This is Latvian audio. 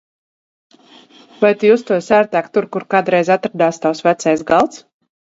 Vai tu justos ērtāk tur, kur kādreiz atradās tavs vecais galds?